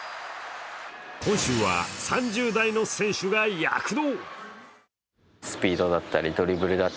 今週は３０代の選手が躍動。